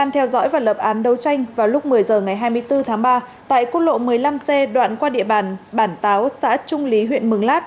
hai mươi bốn tháng ba tại quốc lộ một mươi năm c đoạn qua địa bàn bản táo xã trung lý huyện mừng lát